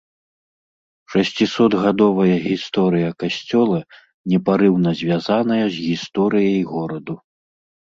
Шасцісотгадовая гісторыя касцёла непарыўна звязаная з гісторыяй гораду.